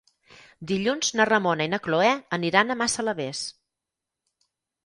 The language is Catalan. Dilluns na Ramona i na Cloè aniran a Massalavés.